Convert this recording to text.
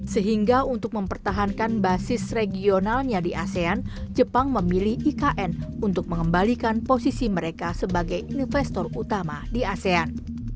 sehingga untuk mempertahankan basis regionalnya di asean jepang memilih ikn untuk mengembalikan posisi mereka sebagai investor utama di asean